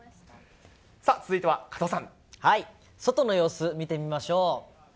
続いては、外の様子、見てみましょう。